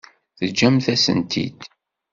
Teǧǧamt-asen-t-id.